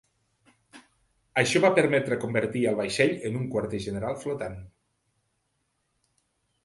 Això va permetre convertir el vaixell en un quarter general flotant.